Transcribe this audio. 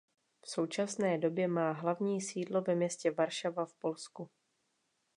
V současné době má hlavní sídlo ve městě Varšava v Polsku.